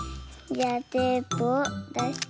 じゃあテープをだして。